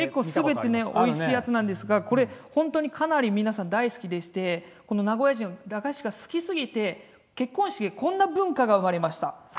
おいしいやつなんですがかなり、皆さん大好きなんですが名古屋人、駄菓子が好きすぎて結婚式にこんな文化が生まれました。